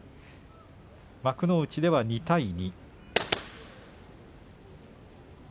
幕内では２対２。